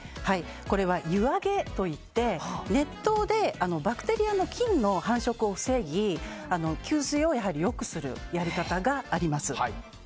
これは湯あげと言って熱湯でバクテリアの菌の繁殖を防ぎ吸水を良くするやり方があります。